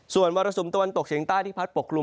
ส่วนมรสุมตะวันตกเฉียงใต้ที่พัดปกคลุม